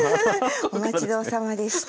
お待ちどおさまでした。